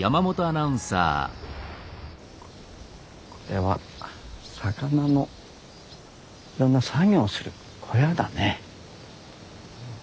これは魚のいろんな作業をする小屋だね。